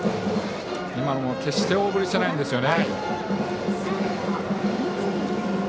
今も決して大振りしてないんですよね。